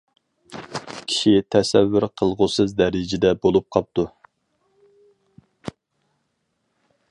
كىشى تەسەۋۋۇر قىلغۇسىز دەرىجىدە بولۇپ قاپتۇ.